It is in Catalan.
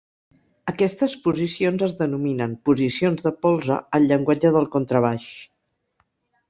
Aquestes posicions es denominen 'posicions de polze' al llenguatge del contrabaix.